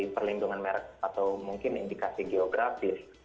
perlindungan merek atau mungkin indikasi geografis